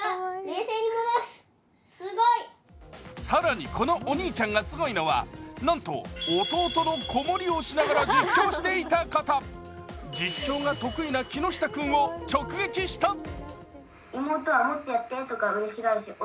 更にこのお兄ちゃんがすごいのは、なんと弟の子守をしながら実況していたこと、実況が得意な木下君を直撃した。